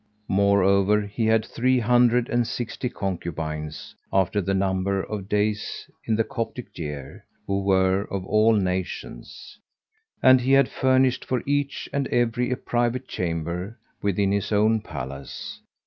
Moreover he had three hundred and sixty concubines, after the number of days in the Coptic year, who were of all nations; and he had furnished for each and every a private chamber within his own palace.